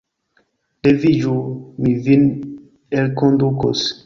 Leviĝu, mi vin elkondukos!